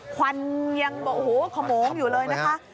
ควันยังบอกโอ้โหขโมงอยู่เลยนะคะ